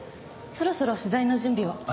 そろそろ取材の準備を。